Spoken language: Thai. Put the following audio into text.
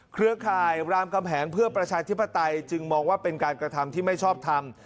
เครือข่ายรามคำแหงเพื่อประชาธิปไตยจึงมองว่าเป็นการกระทำที่ไม่ชอบทำ